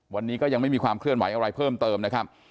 วันนี้ก็ยังไม่มีความเคลื่อนไหวอะไรเพิ่มเติมนะครับ